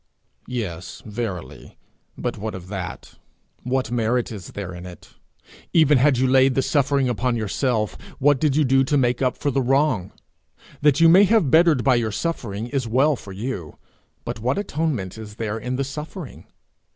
Yes, verily, but what of that? What merit is there in it? Even had you laid the suffering upon yourself, what did that do to make up for the wrong? That you may have bettered by your suffering is well for you, but what atonement is there in the suffering?